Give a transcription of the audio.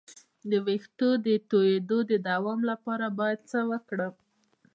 د ویښتو د تویدو د دوام لپاره باید څه وکړم؟